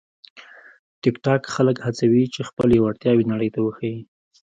ټیکټاک خلک هڅوي چې خپلې وړتیاوې نړۍ ته وښيي.